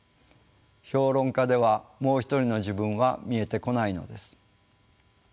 評論家では「もう一人の自分」は見えてこないのです。